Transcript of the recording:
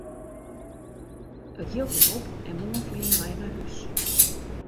It jild is op en moarn fleane wy nei hús!